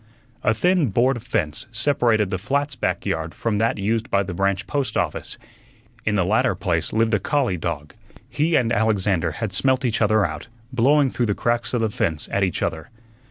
A thin board fence separated the flat's back yard from that used by the branch post office. In the latter place lived a collie dog. He and Alexander had smelt each other out, blowing through the cracks of the fence at each other.